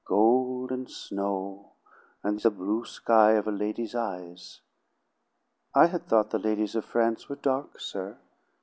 "Gold and snow, and the blue sky of a lady's eyes!" "I had thought the ladies of France were dark, sir.